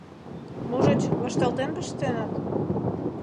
Можыч, вашталтен пыштеныт?..